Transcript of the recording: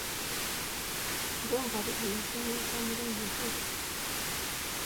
Ndumva bitameze neza muriyi ntebe.